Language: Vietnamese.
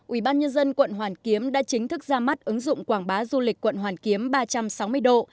ubnd quận hoàn kiếm đã chính thức ra mắt ứng dụng quảng bá du lịch quận hoàn kiếm ba trăm sáu mươi độ